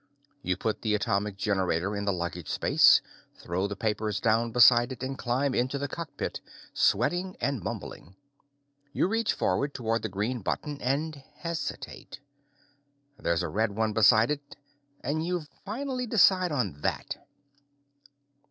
You put the atomic generator in the luggage space, throw the papers down beside it, and climb into the cockpit, sweating and mumbling. You reach forward toward the green button and hesitate. There's a red one beside it and you finally decide on that.